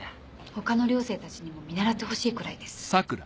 他の寮生たちにも見習ってほしいくらいです。